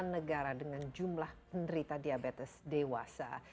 negara dengan jumlah penderita diabetes dewasa